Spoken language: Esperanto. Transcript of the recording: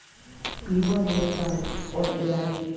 Pli bone ne fari, ol erari.